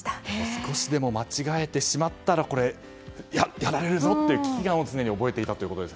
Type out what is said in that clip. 少しでも間違えてしまったらやられるぞという危機感を常に覚えていたと。